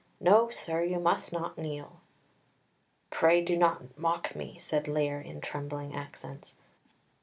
No, sir, you must not kneel." "Pray do not mock me," said Lear in trembling accents.